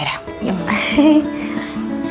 berangkat ya bukannya